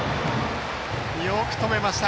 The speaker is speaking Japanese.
よく止めました。